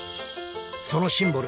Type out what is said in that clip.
そのシンボル